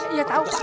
iya tahu pak